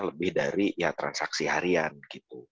lebih dari ya transaksi harian gitu